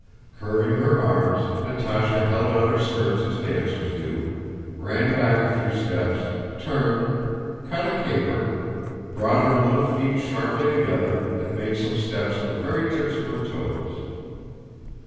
Curving her arms, Natásha held out her skirts as dancers do, ran back a few steps, turned, cut a caper, brought her little feet sharply together, and made some steps on the very tips of her toes.